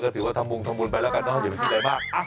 ก็ถือว่าทำวงทำวนไปแล้วกันเนอะเดี๋ยวไปที่ไหนบ้างอ่ะ